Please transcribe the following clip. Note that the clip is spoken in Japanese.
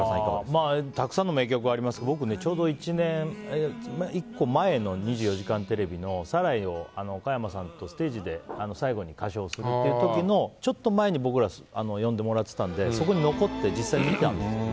たくさんの名曲ありますけど僕ね、ちょうど１個前の「２４時間テレビ」の「サライ」を加山さんとステージで最後に歌唱する時のちょっと前に僕ら、呼んでもらってたのでそこに残って実際に見たんです。